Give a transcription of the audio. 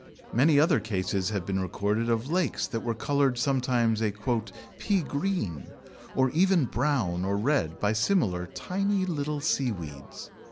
Many other cases have been recorded of lakes that were coloured sometimes a "pea green," or even brown or red by similar tiny little seaweeds.